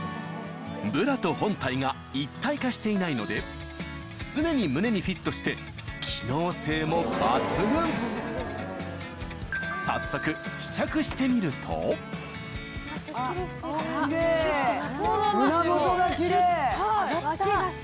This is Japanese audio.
ブラと本体が一体化していないので常に胸にフィットして機能性も抜群早速試着してみるとキレイ胸元がキレイ。